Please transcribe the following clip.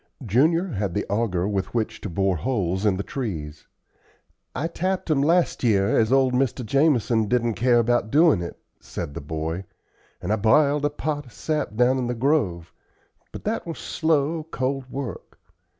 Junior had the auger with which to bore holes in the trees. "I tapped 'em last year, as old Mr. Jamison didn't care about doin' it," said the boy, "an' I b'iled the pot of sap down in the grove; but that was slow, cold work.